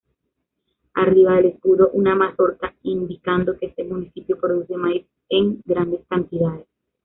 Arriba del escudo una mazorca indicando que este municipio produce maíz en grandes cantidades.